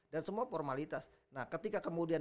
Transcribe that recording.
dan semua formalitas nah ketika kemudian